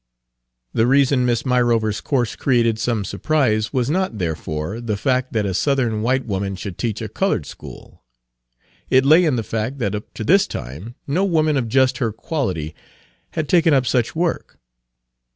Page 270 The reason Miss Myrover's course created some surprise was not, therefore, the fact that a Southern white woman should teach a colored school; it lay in the fact that up to this time no woman of just her quality had taken up such work.